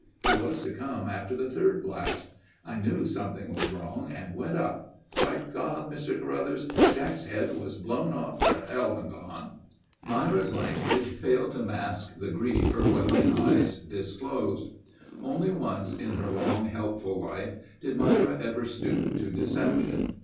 He was to come after the third blast. I knew something was wrong and went up. Bigod, Mr. Caruthers, Jack's head was blown off to hellangone...." Myra's language failed to mask the grief her welling eyes disclosed. Only once in her long, helpful life did Myra ever stoop to deception.